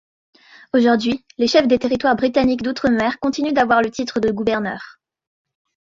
Aujourd'hui, les chefs des territoires britanniques d'outre-mer continuent d'avoir le titre de gouverneur.